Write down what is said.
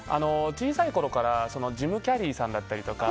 小さいころから、ジム・キャリーさんだったりとか。